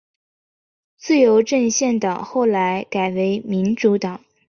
自由阵线党后来改名为民主党。